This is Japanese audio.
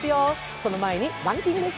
その前にランキングです。